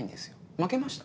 負けました？